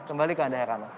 kembali ke anda herano